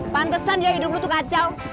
pantesan ya hidup lo tuh kacau